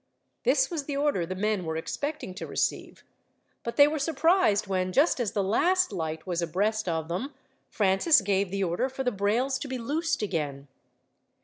This was the order the men were expecting to receive, but they were surprised when, just as the last light was abreast of them, Francis gave the order for the brails to be loosed again.